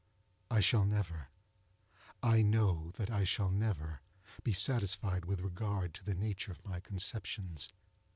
I shall never—I know that I shall never—be satisfied with regard to the nature of my conceptions.